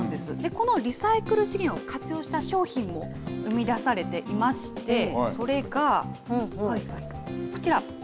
このリサイクル資源を活用した商品も生み出されていまして、それが、こちら。